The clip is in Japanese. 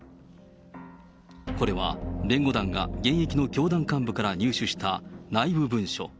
これは弁護団が現役の教団幹部から入手した内部文書。